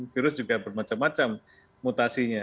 virus juga bermacam macam mutasinya